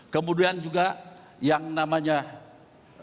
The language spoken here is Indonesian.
kemudian juga yang namanya rumah sakit rujukan itu baru ada satu di al ishan